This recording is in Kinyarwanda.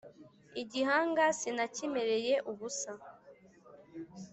igihanga sinakimereye ubusa